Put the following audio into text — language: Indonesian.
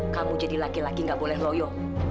kamu jadi laki laki nggak boleh loyo